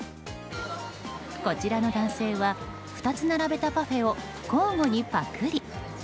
こちらの男性は２つ並べたパフェを交互にパクリ。